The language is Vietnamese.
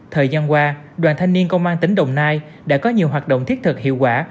thời gian qua đoàn thanh niên công an tỉnh đồng nai đã có nhiều hoạt động thiết thực hiệu quả